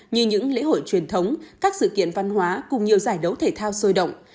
như những lễ hội truyền thống các sự kiện văn hóa cùng nhiều giải đấu thể thao sôi động